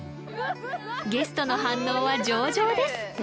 ゲストの反応は上々です